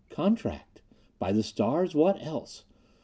"Contract. By the stars, what else?